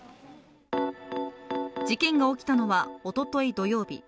事件が起きたのはおととい土曜日。